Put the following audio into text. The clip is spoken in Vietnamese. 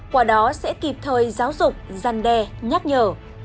quả đó sẽ kịp thời giáo dục giăn đe nhắc nhở